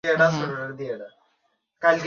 Mrs Murchison আমার সাথে আসবে।